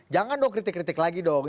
jangan dong kritik kritik lagi dong